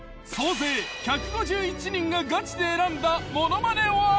総勢１５１人がガチで選んだものまねは。